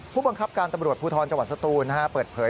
ผู้บังคับการตำรวจภูทรจศตูลเปิดเผย